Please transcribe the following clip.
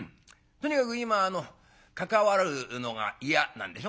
とにかく今あの関わるのが嫌なんでしょ？」。